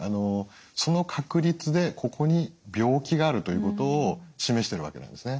その確率でここに病気があるということを示してるわけなんですね。